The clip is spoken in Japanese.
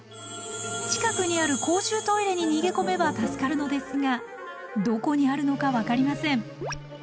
近くにある公衆トイレに逃げ込めば助かるのですがどこにあるのか分かりません。